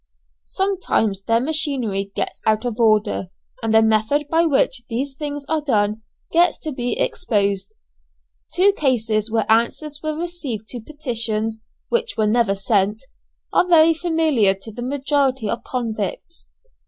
Sometimes their machinery gets out of order, and the method by which these things are done gets to be exposed. Two cases where answers were received to petitions which were never sent, are very familiar to the majority of convicts.